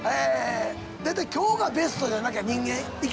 大体今日がベストじゃなきゃ人間いけないんやな。